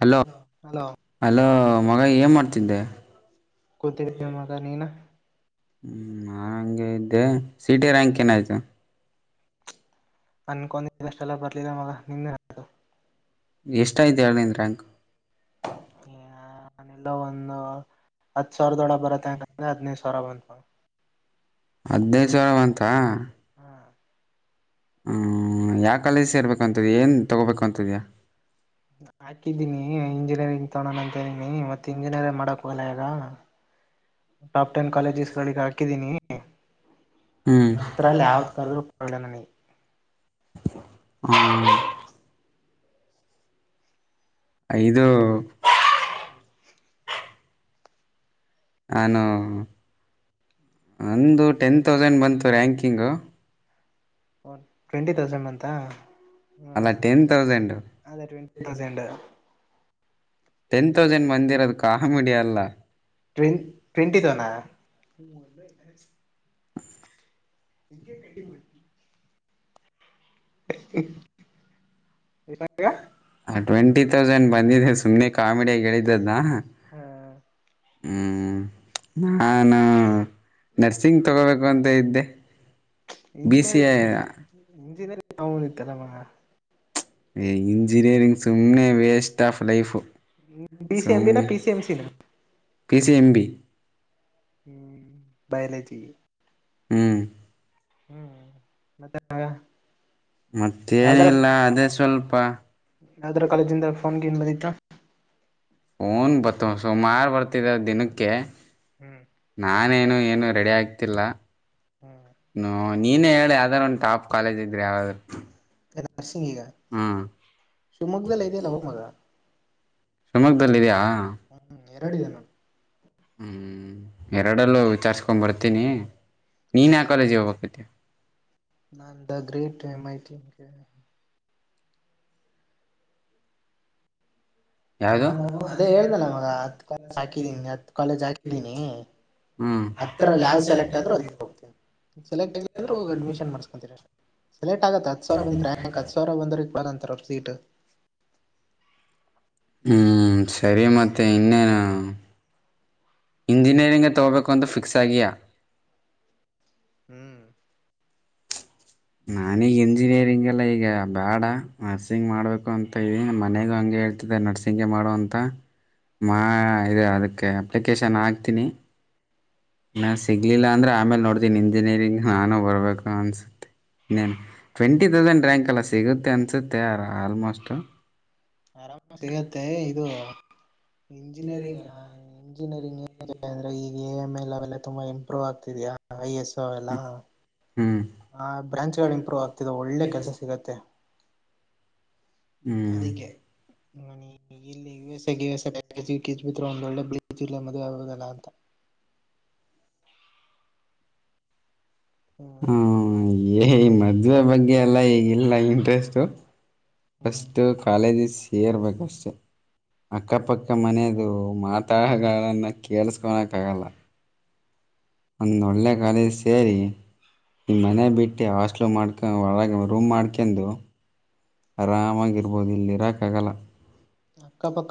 hello hello hello ಮಗ ಏನ್ ಮಾಡ್ತಿದ್ದೆ ಕೂತಿದ್ದಮ್ಮಗ ನೀನ ಹ್ಮ್ ನಾನ್ ಹಂಗೆ ಇದ್ದೆ ಸಿಟಿ ರ್ಯಾಂಕ್ ಏನಾಯ್ತು ಅ ಕನ ದಷ್ಟಲ್ಲ ಬತಲ್ಲಿಲ್ಲ ಮ ನಿಂದ ಎಷ್ಟಯ್ತು ಹೇಳನಿಂದ ರಾಂಕ್ ಹಾನ ಎಲ್ಲ ಒಂದು ಹತ್ ಸಾವಿರದೊಳ ಬರತ್ತ ಏನಂದ್ರೆ ಹದ್ೈ ಹೊರಬಂದ ಹದ್ನೈದು ಸಾವಿರ ಬಂತ ಹ ಹ್ಮ್ ಯಾ ಕಾಲೇಜ್ ಸೇರ್ಬೇಕುಂತದ ಏನ್ ತಗೋಬೇಕು ಅಂತಿದ್ಯಾಾ ಹಾಕಿದ್ದೀನಿ ಹಂಗೆ ಇಂಜಿನಿಯಂಗ್ ತಗೋಣ ಅಂತನಿ ಮತ್ತೆ ಇಂಜಿನಿಯರಿಂಗ್ ಮಾಡಕೋಗಲ್ಲ ಈಗ ಟಾಪ್ ಟೆನ್ ಕಾಲೇಜಸ್ ಗಳಿಗೆ ಹಾಕಿದೀನಿ ಹ್ಮ್ ಹತ್ರ ಅಲ್ಲ ಯಾವ್ದ್ ಕರ್್ರೂ ಕೊ ನನಗೆ ಹಾ ಐದು ಆನು ಅಂದು ಟೆನ್ ತೌಸಂಡ್ ಬಂತು ರ್ಯಾಂಕಿಂಗು ಒ ಟ್ವೆಂಟಿ ತೌಸಂಡ್ ಅಂತ ಹ್ಮ್ ಅಲ್ಲ ಟೆನ್ ತೌಸಂಡ್ ಅದೇ ಟ್ವೆಂಟಿ ತೌಸಂಡ್ ಟೆನ್ ತೌಸಂಡ್ ಬಂದಿರೋದು ಕಾಮಿಡಿಯ ಅಲ್ಲ ವೆ ಟ್ವೆಂಟಿ ತನಾ ಎ ಕಟ್ಟಿ ಮಾಡ [inaudible] ಎತ ಟ್ವೆಂಟಿ ತೌಸಂಡ್ ಬಂದಿದೆ ಸುಮ್ಮನೆ ಕಾಮಿಡಿಯಾಗಿ ಹೇಳಳಿದ್ದದಾ ಹ್ಮ್ ಹ್ಮ್ ನಾನಾ ನರ್ಸಿಂಗ್ ತಗೋಬೇಕು ಅಂತ ಇದ್ದೆ ಬಿ ಸಿ ಐ ವೌನ ತಲಮ ಇಂಜಿನಿಯರಿಂಗ್ ಸುಮ್ಮನೆ waste of life P C ಸಮ ಎಂ ಬಿನ ಪಿ ಸಿ ಎಂ ಸಿನ P C M B biology ಹ್ಮ್ ಹ್ಮ್ ಮತ್ತೆ ಮಗಾ ಮತ್ತೇನಿಲ್ಲ ಅದೇ ಸ್ವಲ್ಪ ನದ್ರ ಕಾಲೇಜಿಂದ ಫೋನ್ ಬಂದಿತಾ ಹೂನ್ ಬಾತಿವೆ ಸುಮಾರು ಬರ್ತಿದ ದಿನಕ್ಕೆ ಹ್ಮ್ ಏನು ರೆಡಿ ಆಗ್ತಿಲ್ಲ ಹ್ಮ್ ನೀನೇ ಹೇಳಿ ಆದಾರ ಒಂದು ಟಾಪ್ ಕಾಲೇಜ್ಗ್ರರೆ ಯಾವ ನರಸಿಂಗ ಈಗ ಶಿವಮೊಗ್್ದಲ್ಲ ಇದೆಲ್ಲ ಹೋಗ್ ಮಗ ಶಿವಮೊಗ್ಗದಲ್ಲ ಇದಯಾ ಹ್ಮ್ ಎರಡಿದೆ ನೋಡು ಹ್ಮ್ ಎರಡಲ್ಲೂ ವಿಚಾರ್ಸ್ಕೊಂಡ್ ಬರ್ತೀನಿ ನೀನು ಯಾವ್ ಕಾಲೇಜುಗೊಗ್ತಿದೆ [unintelligible] ನಾನ್ ದ ಗ್ರೇಟ್ [unintelligible] ನಾನು ಹ ಅದೇ ಹೇಳ್ದಲ್ಲ ಮಗ ಹತ್ ಕ ಹಾಕಿದೀನಿ ಹತ್ ಕಾಲೇಜ್ ಹಾಕಿದೀನಿ ಹ್ಮ್ ಹತ್ತಾ ಸೆಲೆಕ್ಟ್ ಆದ್ರರು ಅದುಕೆ ಸೆಲೆಟ್ ಅಡ್ಮಿಷನ್ ಮಾಡಸ್ಕೊಂತರ ಲೇಟ್ ಆಗತ್ತ ಹತ್ ಸಾವಿರ ಬತ್ಂಕ್ ಹತ್ ಸಾವಿರ ಬಂದ್ರ ಬಂತಾರ ಸೀಟ್ ಹ್ಮ್ ಸರಿ ಮತ್ತೆ ಇನ್ನೇನು ಇಂಜಿನಿಯರಿಂಗ್ಗೆ ತಗೋಬೇಕು ಅಂತ ಫಿಕ್ಸ್ ಆಗಿ [inaudible] ನಾನೀಗ ಇಂಜಿನಿಯರಿಂಗ್ ಎಲ್ಲ ಈಗ ಬೇಡ ನರ್ಸಿಂಗ್ ಮಾಡ್ಬೇಕು ಅಂತ ಇದಿ ಮನೆಗ ಹಂಗೆ ಹೇಳ್ತ ನರ್ಸಿಂಗಗೆ ಮಾಡುವ ಅಂತ ಮಾ ಇದು ಅದಕ್ಕೆ ಅಪ್ಲಿಕೇಶನ್ ಹಾಕ್ತೀನಿ ನ ಸಿಗ್ಲಿಲ್ಲ ಅಂದ್ರೆ ಆಮೇಲ್ ನೋಡ್ತೀನಿ ಇಂಜಿನಿಯರಿಂಗ್ ನಾನು ಬರ್ಬೇಕು ಅನ್ಸುತ್ತೆ ನೀನ್ ಟ್ವೆಂಟಿ [unintelligible] ಡ್ ರ್ಯಾಂಕ್ ಎಲ್ಲ ಸಿಗುತ್ತೆ ಅನ್ಸುತ್ತೆ [unintelligible] ಆಲ್ಮೋಸ್ಟ್ ಆರಾಮ ಸಿಗತ್ತೆ ಇದು ಇಂಜಿನಿಯರಿಂಗ್ [unintelligible] ಲ್ಲಾ ಇಂಜಿನಿಯರಿಂಗಂದ್ರ ಈಗೆ ಮ್ಮೆಲ್ ಅವೆಲ್ಲ ತುಂಬಾ ಇಂಪ್ರೂವ್ ಆಗ್ತಿದಯಾ ಐ ಎಸ್ ಅವೆಲ್ಲ ಹ್ಮ್ ಹ ಬ್ರಾಂಚ್ಗಳು ಇಂಪ್ರೂವ್ ಆಗ್ತಿದೆ ಒಳ್ಳೆ ಕೆಲ್ಸ ಸಿಗತ್ತೆ ಹ್ಮ್ [inaudible] ಅದಕ್ಕೆ ನಾನು [unintelligible] ಮದುವೆ ಆದಲ್ಲ ಅಂತ [inaudible] ಹ್ಮ್ ಹ ಏ ಈ ಮದುವೆ ಬಗ್ಗೆ ಎಲ್ಲ ಈಗಿಲ್ಲ ಇಂಟ್ರೆಸ್ಟ್ ಹ್ಮ್ ಬಸ್ಟ್ ಕಾಲೇಜಸ್ ಏರ್ಬೇಕುಅಷ್ಟೆ ಅಕ್ಕಪಕ್ಕ ಮನೆಯದು ಮಾತಾಡಗಾರನ್ನ ಕೇಳಸ್ಕೊಳಕ್ಕ ಆಗಲ್ಲ ಒಂದ್ ಒಳ್ಳೆ ಕಾಲೇಜ್ ಸೇರಿ ನಿಮ್ಮ ಮನೆ ಬಿಟ್ಟು ಹಾಸ್ಟ್ಲ್ ಮಾಡ್ಕೊಂಡ ಒಳಗೆ ರೂಮ್ ಮಾಡ್ಕೊಂಡು ಆರಾಮಗರ್ಬೋದು ಇಲ್ಲಿರಾಕ್ ಆಗಲ್ಲ ಅಕ್ಕಪಕ್ಕ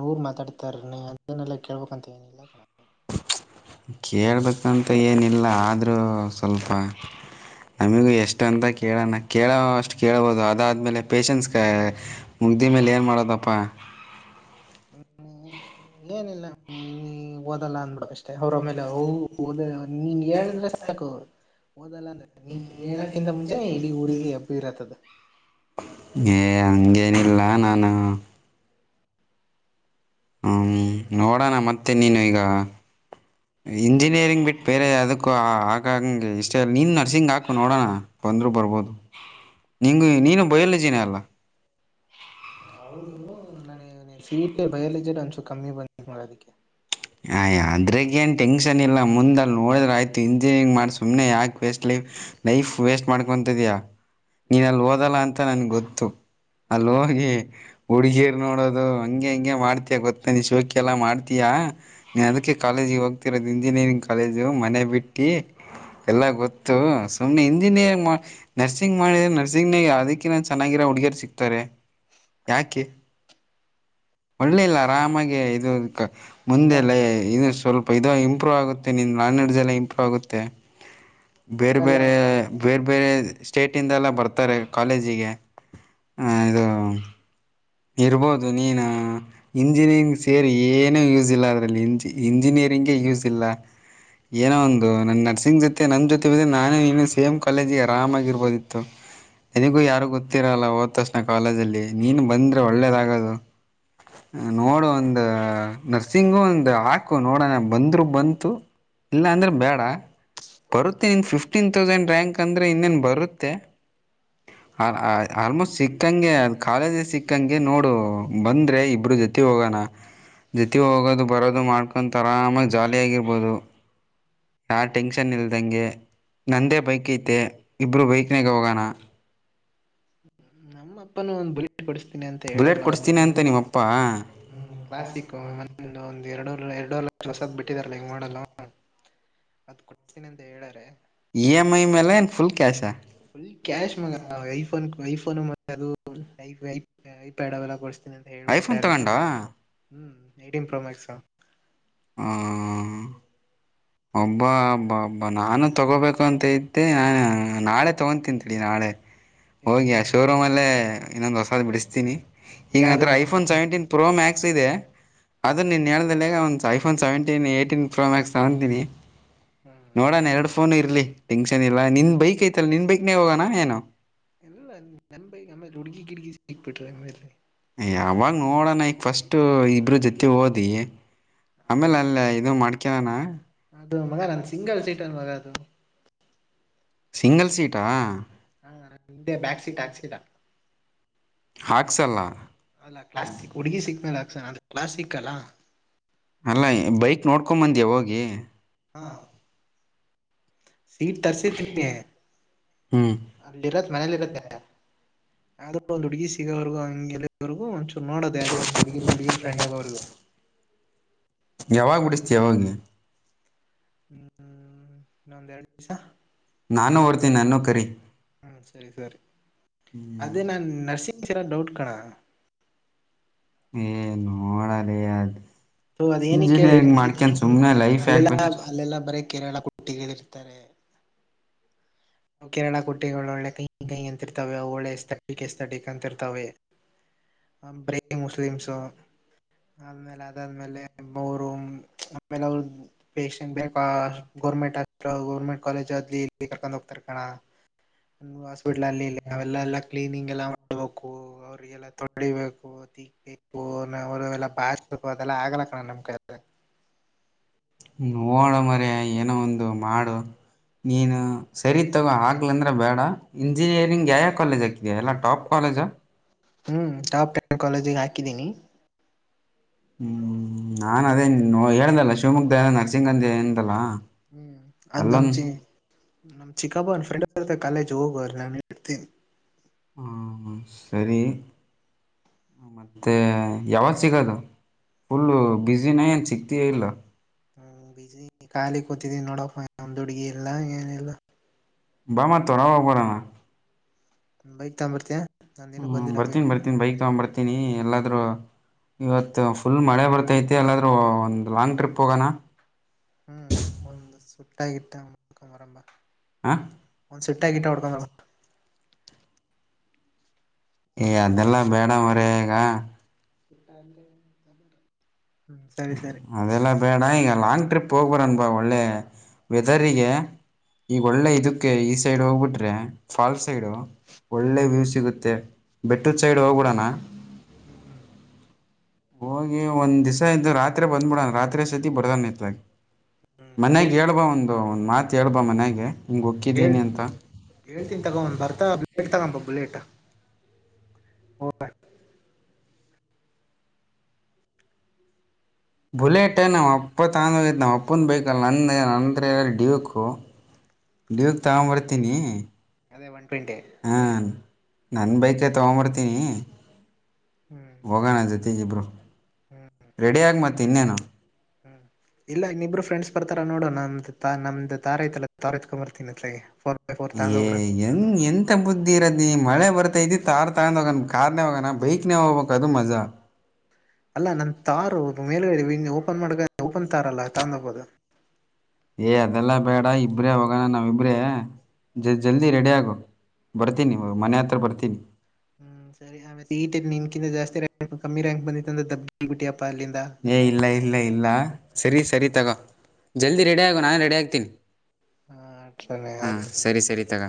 ನೂರ್ ಮಾತಾಡ್ತಾರ [unintelligible] ಅದನ್ನೆಲ್ಲ ಕೇಳ್ಬಕ್ಂತ ಏನಿಲ್ಲ ಕೇಳ್ಬೇಕಂತ ಏನಿಲ್ಲ ಆದರೂ ಸ್ವಲ್ಪ ನಮಿಗೂ ಎಷ್ಟ ಅಂತ ಕೇಳಣ ಕೇಳ ಅಷ್ಟು ಕೇಳಬಹ [unintelligible] ಅದು ಅದಾದ್ಮೇಲೆ ಪೇಶನ್ಸ್ ಮುಗ್ದಿ ಮೇಲೆ ಏನು ಮಾಡೋದಪ್ಪ ಏನಿಲ್ಲ [unintelligible] ಓದಲ್ಲ ಅಂದ್ಬಿಡ ಅಷ್ಟ [unintelligible] ಅಷ್ಟ [unintelligible] ಅವ್ರ [unintelligible] ಮೇಲೆ ನಿನ್ ಹೇಳಿದ್ರೆ ಸಾಕು ಓದಲ್ಲ ಅಂದ್ರ ನೀ ಹೇಳಕ್ಕಿಂತ ಮುಂಚೆ ಇಡೀ ಊರಿಗೆ ಅಬ್ಬಿ ಇರತ್ತದ ಏ ಹಂಗೇನಿಲ್ಲ ನಾನು ಹ್ಮ ನೋಡೋಣ ಮತ್ತೆ ನೀನು ಈಗ ಇಂಜಿನಿಯರಿಂಗ್ ಬಿಟ್ಟು ಬೇರೆ ಅದಕ್ಕು ಆಗಂಗಗೆ ಇಷ್ಟ ಇ [unintelligible] ನೀನ್ ನರ್ಸಿಂಗ್ ಹಾಕು ನೋಡೋಣ ಬಂದ್ರು ಬ ಬರ್ಬೋದು ನೀಂಗ ನೀನು ಬಯಲುಜನ ಅಲ್ಲ ಹೌದು ನಾನ ಸೀಟ ಬಯಲಜ ಅನ್ಸು ಕಮ್ಮಿ ಬಂದ ಮಾಡ ಅದಕ್ಕೆ [unintelligible] ಆಯ ಅದ್ರಗ್ ಏನ್ ಟೆನ್ಷನ್ ಇಲ್ಲ ಮುಂದಲ್ಲಿ ನೋಡ್ರೆ ಆಯ್ತು ಇ [unintelligible] [unintelligible] ಗ್ ಮಾಡ ಸುಮನೆ ಯಾಕೆ ವೇಸ್ಟ್ ಲೈಫ್ ಲೈಫ್ ವೇಸ್ಟ್ ಮಾಡ್ಕೊಂತ ಇದ್ಯಾ ನೀನ ಅಲ್ಲಿ ಓದಲ್ಲ ಅಂತ ನನ್ ಗೊತ್ತು ಅಲ್ ಹೋಗಿ ಹುಡ್ಗೀರ್ ನೋಡೋದು ಹಂಗೆ ಹಂಗಗೆ ಮಾಡ್ತಿಯಯ ಗೊತ್ತ ನೀ ಶೋಕ ಎಲ್ಲಾ ಮಾಡ್ತೀಯಾ ನೀ ಅದಕ್ಕೆ ಕಾಲೇಜಿಗೆ ಹೋಗ್ತಿರೋದು ಇಂಜಿನಿಯರಿಂಗ್ ಕಾಲೇಜು ಮನೆ ಬಿಟಿ ಎಲ್ಲಾ ಗೊತ್ತು ಸುಮ್ನೆ ಇಂಜಿನಿಯರಿಂಗ್ ನರ್ಸಿಂಗ್ ಮಾಡಿದ [unintelligible] ಅದಕ್ಕಿನ್ನ ಚೆನ್ನಾಗಿರೋ ಹುಡುಗಿಯರು ಸಿಗ್ತಾರೆ ಯಾಕೆ ಒಳ್ಳೇಲ್ಲ ಅರಾಮಾಗಿ ಇದು ಇಲ್ಲ ಮುಂದೆಲ್ಲ ಇದು ಸ್ವಲ್ಪ ಇದು ಇಂಪ್ರೂವ್ ಆಗುತ್ತೆ ನಿನ್ನ ನಾಲಡಸ್ಲ್ಲ [unintelligible] ಇಂಪ್ರೂವ್ ಆಗುತ್ತೆ ಬೇರೆ ಹಂಗಲ್ಲ ಬೇರೆ ಬೇರೆ ಬೇರೆ ಸ್ಟೇಟಿಂದೆಲ್ಲ ಬರ್ತಾರೆ ಕಾಲೇಜಿಗೆ ಹ ಇದು ಇರ್ಬೋದು ನೀನು ಇಂಜಿನಿಯರಿಂಗ್ ಸೇರಿ ಏನೂ ಯೂಸ್ ಇಲ್ಲ ಅದ್ರಲ್ಲಿ [unintelligible] ಇಂಜಿನಿಯರಿಂಗಗೆ ಯೂಸ್ ಇಲ್ಲ ಏನೋ ಒಂದು ನನ್ನ ನರ್ಸಿಂಗ್ ಜೊತೆ ನನ್ನ ಜೊತೆ ಬ [unintelligible] ನಾನು ಇನ್ನ ಸೇಮ್ ಕಾಲೇಜಿಗೆ ಆರಾಮಾಗಿರ್ಬೋದಿತ್ತು ನನಗೂ ಯಾರು ಗೊತ್ತಿರಲ್ಲ ಹೋದ್ ತಕ್ಷಣ ಕಾಲೇಜ ಅಲ್ಲಿ ನೀನ್ ಬಂದು ಆಗದು ನೋಡು ಒಂದ ನರ್ಸಿಂಗು ಒಂದ್ ಹಾಕು ನೋಡೋಣ ಬಂದ್ರು ಬಂತು ಇಲ್ಲ ಅಂದ್ರ ಬೇಡ ಬರುತ್ತೆ ನಿನ್ [unintelligible] ಫಿಫ್ಟೀನ್ ತೌಸಂಡ್ ರ್ಯಾಂಕ್ ಅಂದ್ರೆ ಇನ್ನೇನ್ ಬರುತ್ತೆ ಹ [unintelligible] ಆಲ್ಮೋಸ್ಟ್ ಸಿಕ್ಕಂಗೆ ಅದು ಕಾಲೇಜಿಗೆ ಸಿಕ್ಕ ಗೆ ನೋಡು ಬಂದ್ರೆ ಇಬ್ರು ಜೊತೆ ಹೋಗೋಣ ಜೊತೆ ಹೋಗೋದು ಬರೋದು ಮಾಡ್ಕೊಂಡ ಆರಾಮಾಗಿ ಜಾಲಿಯ ಆಗಿರ್ಬೋದು ಯಾವ ಟೆನ್ಷನ್ ಇಲ್ದಂಗೆ ನಂದೇ ಬೈಕ್ ಐತೆ ಇಬರು ಬೈಕ್ನಾಗ ಹೋಗೋಣ ನಮ್ಮ ಅಪ್ಪನು ಒಂದು ಬು ಅಂತ ಹೇಳಿ ಬುಲೆಟ್ ಕೊಡಿಸ್ತೀನಿ ಅಂತ ನಿಮ್ಮಪ್ಪ ಹ್ಮ ಕ್ಲಾಸಿಕ್ ಮ ಒಂದ್ ಎರಡು ಎರಡೂರ್ ಲಕ್ಷ ಹೊಸದ್ ಬಿಟ್ಟಿದಾರಲ್ಲ ಈಗ ಮಾಡಲ್ಲ ಅದ ಕೊಡ್ತೀನಿ ಅಂತ ಹೇಳಾರೆ ಇ ಎಮ್ ಐ ಮೇಲೆ ಏನು ಫುಲ್ ಕ್ಯಾಶಾ ಫುಲ್ ಕ್ಯಾಶ್ ಮಗ ಐಫನ್ ಐಫೋನ್ ಅದುಐ್ಯಾಡವೆಲ್ಲ ಕೊತ ಐಫೋನ್ ತಗೊಂಡಾ ನಡಿನ್ ಪ್ರೊಮ್ಯಾಕ್ಸಂಗ್ ಹ ಒಬ್ಬ ಒಬ್ಬ ಒಬ್ಬ ನಾನು ತಗೋಬೇಕು ಅಂತ ಇದ್ದೆ ನ ಾ ನಾಳೆ ತಗೊತೀನಿೇಳಿ ನಾಳೆ ಹೋಗಿ ಶೋರೂಮ್ಲ್ಲೇ ಇನ್ನೊಂದು ಹೊಸದ ಬಿಡಿಸ್ತೀನಿ ನಿನ್ ಯಾವ್ದು ಹತ್ರ ಐಫೋನ್ ಸೆವೆಂಟೀನ್ ಪ್ರೋ ಮ್ಯಾಕ್ಸ್ ಇದೆ ಅದದು ನೀನು ಹೇಳ್ದೇಗ ಒಂದು iPhone seventeen eighteen pro max ತಗಂತೀನಿ ನೋಡೋಣ ಎರಡು ಫೋನ್ ಇರ್ಲಿ ಟೆನ್ಶನ್ ಇಲ್ಲ ನಿನ್ ಬೈಕ್ ಐತಲ್ಲ ನಿನ್ ಬೈಕ್ನ ಹೋಗೋಣ ಏನ ಗಿಗಿ ಸಿಕ್ ಬಿರೆ ಆಮೇಲೆರಿ ಯಾವಾಗ ನೋಡೋಣ ಈಗ ಫಸ್ಟ್ ಇಬ್ರ ಜೊತೆ ಓದಿ ಆಮೇಲೆ ಅಲ್ಲ ಇದು ಮಾಡ್ಕಲನಾ ಅದು ಮಗ ನನ್ ಸಿಂಗಲ್ ಸೀಟರ್ ಮಗ ಅದು ಸಿಂಗಲ್ ಸೀಟಾ ಹ ಹಿಂದೆ ಬ್ಯಾಕ್ ಸೀಟ್ ಹಾಕ್ಸಿಲ್ಲ ಹಾಕ್ಸಲ್ಲ ಅಲ್ಲ ಕ್ಲಿಕ್ ಹುಡುಗಿ ಸಿಕ್್ಮೇಲೆ ಆಾಕ್ಸಣ ಅ ಕ್ಲಾಸಿಕ್ ಅಲ್ಲಾ ಅಲ್ಲ ಬೈಕ್ ನೋಡ್ಕೊಂಬಂದ್ಯಾ ಹೋಗಿ ಹಾ ಸೀಟ್ ತರ್ಸಿ ತಿಮಗೆ ಹ್ಮ್ ಅಲ್ಲಿ ಇರತ್ ಮನೇಲಿ ಇರತ್ತ ಅದು ಒಂದಂದು ಹುಡ್ಗಿ ಸಿಗೋವರ್ಗೂ ಹಗೆರ್ಗೂ ಒ ಸುನ್ನೋಡ ದೇದ ಕುಡಿಯರ್ ಕುಡಿಯರ್ ಫ್ರೆಂಡ ಆ ಅವದು ಯಾವಾಗ ಬಿಡಿಸತಿ ಯಾವಾಗ ಹ್ಮ್ ಇನ್ನೊಂದೆರಡು ದಿವ್ಸ ನಾನು ಓಡ್ತೀನಿ ನಾನು ಕರಿ ಹ್ಮ ಸರಿ ಸರಿ ಅದ ನಾ ನರ್ಸಿಂಗ್ ಸೇರದ್ ಡೌಟ್ ಕಣೋ ಏ ನೋಡಾರ ಅದು ಹ ಅದೇಕೆ ಕೇಳಿ ಹಳ್ತನಿ ಲೈಫ್ ಯಾಕ್ ಅಲ್ಲೆಲ್ಲ ವೇಸ್ಟ್ ಅಲ್ಲೆಲ್ಲಾ ಬರ ಕೇರೆಳ ಗಟಿಗಳಿರ್ತಾರೆ [inaudible] ನಾವು ಕೇರಳ ಕೊಟೆಗಳು ಒಳ್ಳೆ ಕೈ ಕೈಿ ಅಂತಿರ್ತವೆ ಅವು ಒಳ್ಳೆ ಎಸ್ತಟಕ್ ಎಸ್ ತಟಕ್ ಅಂತಿರ್ತವೆ ಬ್ರೇ ಮುಸ್ಲಿಮ್ಸು ಅ್ಮೇಲೆ ಅಾದ್ಮೇಲೆರು ಆಮೇಲೆ ಅವರು ಪೇಶಂಟ್ ಬೇಕಾ ಗೋರ್ಮೆಂಟ್ ಗೌರ್ಮೆಂಟ್ ಕಾಲೇಜುಲಿ ಇಲ್ಲಿ ಕರ್ಕೊಂಡು ಹೋಗ್ತಾರೆ ಕಣ ಹಾಸ್ಪಿಟ್ಲ್ ಅಲ್ಲಿ ಇಲ್ಲಿ ಅವೆಲ್ಲ ಕ್ಲೀನಿಂಗ ಎಲ್ಲ ಬೇಕು ಅವ್ರಿಗೆಲ್ಲ ತೊಡಿಬೇಕು ತಕ್ಬೇಕು ಅವರುಲ್ಲ ಬಾ ಅದೆಲ್ಲ ಆಗಲ್ಲ ಕಣೋ ನಮ್ಮ್ ಕೈಲಿ ನೋಡ ಮರ ಏನೋ ಒಂದು ಮಾಡು ನೀನು ಸರಿ ತಗೋ ಆಗ್ಲಂದ್ರೆ ಬೇಡ ಇಂಜಿನಿಯರಿಂಗ್ ಯಾವಾವ ಕಾಲೇಜ್ ಹಕಿದೆಯ ಎಲ್ಲ ಟಾಪ್ ಕಾಲೇಜ ಹ್ಮ್ ಟಪ್ ಪ್ರೆ ಕಾಲೇಜೆ ಾಕಿಿದಿನಿ ಹ್ಮ್ ನಾನ್ ಅದೇ ಹೇಳ್ದಲ್ಲ ಶಿವಮೊಗ್ಗ ನರಸಿಂಗಗಂಧಿ ಏದಲ್ಲ ಹ್ಮ್ ಅದು್ ನಮಚ ನಮಚ ಕಬನ್ ಫ ಕಾಲೇಜ್ ಹೋಗುವ ನಾನು ಹೇಡ್ತೀನಿ ಹ್ಮ ಸರಿ ಮತ್ತೆ ಯಾವಾಗ ಸಿಗದು ಫುಲ್ಲ ಬಸಿನ ಅಏನ್ ಸಿಕ್ತ ಇಲ್ಲ ಹ್ಮ್ ಬೀಜಿ ಖಾಲಿ ಕೂತಿದೀನಿ ನೋಡಪ್ಪ ಒಂದ ಹುಡ್ಗಿ ಎಲ್ಲ ಏನೆಲ್ಲಾ ಬಾ ಮತ್ ಹೊರಬರನ ಬೈಕ್ ತಗ ಬರ್ತಿಯಾ ಹ್ಮ್ ಬರ್ತೀನಿ ಬರ್ತೀನ್ ಬೈಕ್ ತಗೊಂಡ್ ಬರ್ತೀನಿ ಎಲ್ಲಾದ್ ಇವತ್ತು ಫುಲ್ ಮಳೆ ಬರ್ತೈತಿ ಅಲ್ಲಾದ್ರೂ ಒಂದು್ ಲಾಂಗ್ ಟ್ರಿಪ್ ಹೋಗೋಣ ಹ್ಮ್ ಒಂದು ಸುುತ್ತಾಕಟ್ಟ ಮುಕ ಮರಂಬ ಹಾ ಏ ಅದೆಲ್ಲಾ ಬೇಡ ಮರ ಈಗ ಕಟ್ಟ ಅದೆಲ್ಲಾ ಬಡಾ ಈಗ ಲಾಂಗ್ ಟ್ರಿಪ್ ಪಕರೋನ್ಪಾ ಒಳ್ಳೆ ವೆದರ್ಗೆ ಈಗ ಒಳ್ಳೆ ಇದಕ್ಕೆ ಈ ಸೈಡ್ ಹೋಗ್ಬಿಟ್ರೆ ಫಾಲ್ ಸೈಡು ಒಳ್ಳೆ ಹ್ಮ್ ವ್ಯೂ ಸಿಗುತ್ತೆ ಬೆಟ್ಟೂ ಸೈಡ್ ಹೋಗಿಡಣ ಹೋಗಿ ಒಂದ್ವ್ಸ ಇದ್ದ ರಾತ್ರಿ ಬಂದ್ಬಿಡಾನ ರಾತ್ರಿ ಸತಿ ಬಡದಾನ ಇತ್ಗ ಮನ್ಯಾಗ ಹೇಳ್ಬಾ ಒಂದು ಒಂದ್ ಮಾತ್ ಹೇಳ್ಬಾ ಮನ್ಯಗೆ ಹಿಂಗ ಒಕ್ಕಿದ್ದೀನಿ ಅಂತ ಹೇಳ್ತೀ ತಗೊಂದ್ ಬರ್ತಾ ಬಟ್ ತಗೊಂಬ ಬುಲೆಟ್ ವ ಬುಲೆಟ್ ನಾ ಅಪ್ಪ ತಂದ ಹೋಗಿದ್ದ ನಾವು ಅಪ್ಪಂದು ಬೈಕಲ್ಲಿ ನಂದ ನಂದರಲ್ಲಿ ಡವಕು ವಗೆ ತಗೊಂಬರ್ತೀನಿ ಅದೇ ಒನ್ ಟ್ವೆಂಟಿ ಹಾ ಸರಿ ನನ್ ಬೈಕ್ ತಗೊಂಬಡ್ತೀನಿ ಹ್ಮ್ ಹೋಗೋಣ ಜೊತೆಗಿಬ್ರು ಹ್ಮ್ ರೆಡಿಯಾಗಿ ಮ ಇನ್ನೇನು ಹ್ಮ್ ಇಲ್ಲ ಇನ್ನಬ್ರು ಫ್ರೆಂಡ್ಸ್ ಬರ್ತಾರ ನೋಡೋ ನಮ್ದ್ ತ ನ್ದ ತಾರ ಐತಲ್ಲ ತತ್ಕೊ್ ಬರ್ತೀಿ ಏ ಎಂಗ್ ಎಂತ ಬುದ್ಧಿ ಇರದಿ ಮಳೆ ಬರ್ತೈತಿ ತಾರ್ ತಾಂದೋಗನ್ ಕಾರ್ ನೇ ಹೋಗೋಣ ಬೈಕ್ನೇ ಹೋಗ್ಬೇಕ ಅದು ಮಜಾ ಅಲ್ಲ ನನ್ ತಾರು ಮೇಲೆ ಓಪನ್ ಮಾಡ ಓಪನ್ ತಾರಲ್ಲ ತಂದಬೋದು ಏ ಅದೆಲ್ಲ ಬೇಡ ಇಬ್ರೇ ಹೋಗೋಣ ನಾವ ಇಬ್ರೇ ಜ ಜಲ್ದಿ ರೆಡಿ ಆಗು ಬರ್ತೀನಿ ಮನೆ ಹತ್ರ ಬರ್ತೀನಿ ಹ್ಮ್ ಸರಿ ಆಮೇ ಈಟೆ ನಿನ್ಕಿಂತ ಜಾಸ್ತಿ ರಂಕ್ ಕಮ್ಮಿ ರ್ಯಾಕ್ ಬಿತ್ತಂದೆ ದಬ್ಬ ಬಿಟ್ಟಿ ಏ ಇಲ್ಲ ಇಲ್ಲ ಇಲ್ಲ ಸರಿ ಸರಿ ತಗೋ ಜಲ್ದಿ ರೆಡಿ ಆಗುವ ನಾನು ರೆಡಿ ಆಗ್ತೀನಿ ಹಾ ಹಾ ಆಯ್ತು ಸರಿ ಸರಿ ತಗ